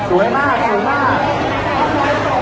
ขอบคุณมากนะคะแล้วก็แถวนี้ยังมีชาติของ